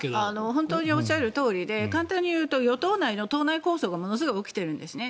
本当におっしゃるとおりで簡単にいうと与党内の党内抗争がすごく起きているんですね。